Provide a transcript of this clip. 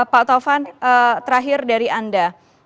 pak taufan terakhir dari anda